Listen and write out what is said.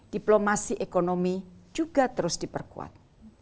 diplomasi ekonomi juga terus diperkuat